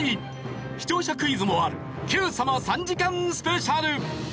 視聴者クイズもある『Ｑさま！！』３時間スペシャル！